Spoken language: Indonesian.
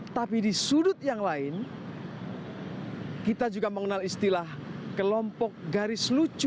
tapi di sudut yang lain kita juga mengenal istilah kelompok garis lucu